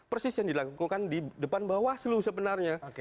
persis yang dilakukan di depan bawah seluruh sebenarnya